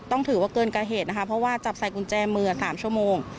ต้องถือว่าเกินกว่าเหตุนะคะเพราะว่าจับใส่กุญแจมือ๓ชั่วโมง